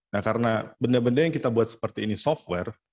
nah karena benda benda yang kita buat seperti ini software